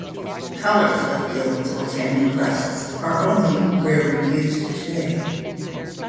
Colors of guilds or family crests are only rarely used today.